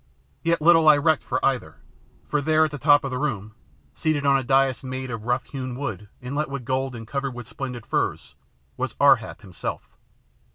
Yet little I recked for either, for there at the top of the room, seated on a dais made of rough hewn wood inlet with gold and covered with splendid furs, was Ar hap himself.